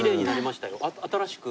新しく。